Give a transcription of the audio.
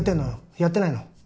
やってないの？